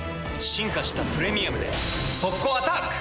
進化した「プレミアム」で速攻アタック！